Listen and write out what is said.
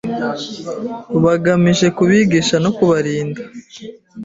bagamije kubigisha no kubarinda,